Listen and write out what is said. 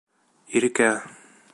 Иркә!